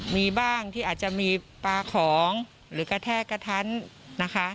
มีบ้างที่อาจจะมีปลาของหรือกระแทกกระทันนะคะ